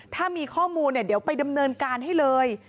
ถ้ามีข้อมูลเนี่ยเดี๋ยวไปดำเนินการให้เลย